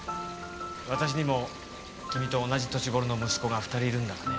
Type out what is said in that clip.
私にも君と同じ年ごろの息子が２人いるんだがね